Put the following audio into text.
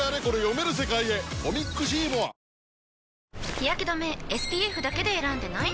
日やけ止めＳＰＦだけで選んでない？